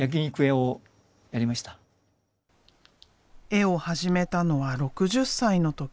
絵を始めたのは６０歳の時。